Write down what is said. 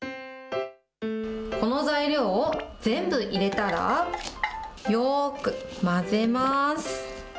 この材料を全部入れたら、よーく混ぜます。